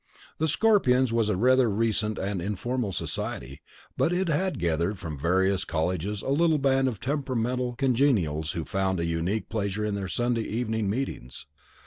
The Scorpions was a rather recent and informal society, but it had gathered from various colleges a little band of temperamental congenials who found a unique pleasure in their Sunday evening meetings.